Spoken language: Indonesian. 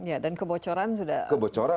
ya dan kebocoran sudah sangat berkurang